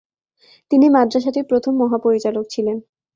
তিনি মাদ্রাসাটির প্রথম মহাপরিচালক ছিলেন।